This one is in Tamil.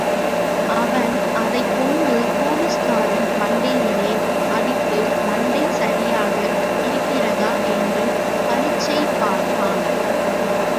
அவன் அதைக் கொண்டு போலிஸ்காரன் மண்டையிலே அடித்து, மண்டை சரியாக இருக்கிறதா என்று பரீட்சை பார்த்தான்.